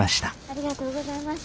ありがとうございます。